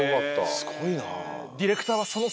すごいな。